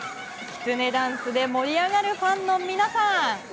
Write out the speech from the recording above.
きつねダンスで盛り上がるファンの皆さん。